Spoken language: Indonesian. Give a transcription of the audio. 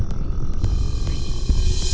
tidak ada satu